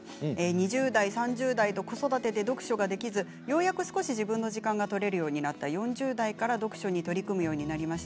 ２０代、３０代と子育て読書ができずようやく自分の時間が取れるようになった４０代から読書に取り組むようになりました。